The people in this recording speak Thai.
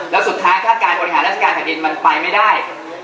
แล้วสุดท้ายถ้าการอุดหารัฐกาลคดินมันไปไม่ได้